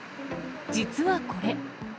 実はこれ。